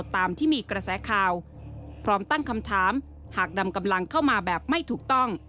ตามที่มีกระแสข่าวพร้อมตั้งคำถามหากนำกำลังเข้ามาแบบไม่ถูกต้อง